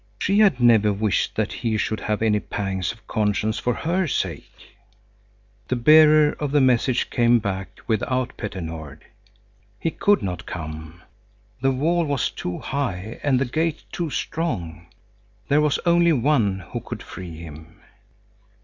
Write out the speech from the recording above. She had never wished that he should have any pangs of conscience for her sake. The bearer of the message came back without Petter Nord. He could not come. The wall was too high and the gate too strong. There was only one who could free him.